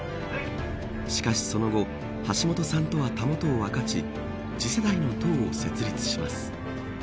しかし、その後橋下さんとは、たもとを分かち次世代の党を設立します。